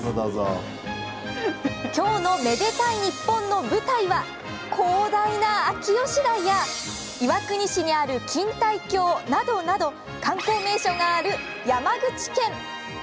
今日の「愛でたいｎｉｐｐｏｎ」の舞台は広大な秋吉台や岩国市にある錦帯橋などなど観光名所がある山口県。